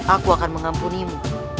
aku akan mengampunimu